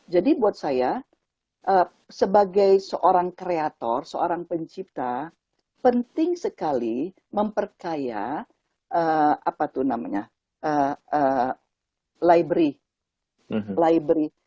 jadi buat saya sebagai seorang kreator seorang pencipta penting sekali memperkaya library